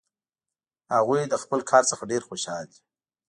هغوی له خپل کار څخه ډېر خوشحال دي